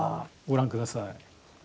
ご覧ください。